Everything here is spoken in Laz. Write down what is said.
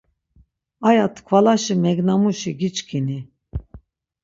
Aya tkvalaşi megnamuşi giçkini?